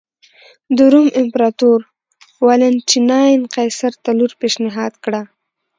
د روم امپراتور والنټیناین قیصر ته لور پېشنهاد کړه.